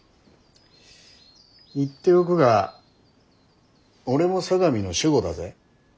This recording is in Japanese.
言っておくが俺も相模の守護だぜ。